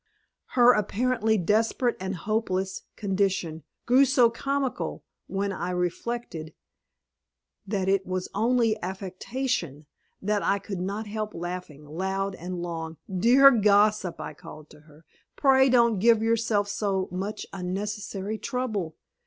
Her apparently desperate and hopeless condition grew so comical when I reflected that it was only affectation, that I could not help laughing, loud and long. "Dear gossip," I called to her, "pray don't give yourself so much unnecessary trouble!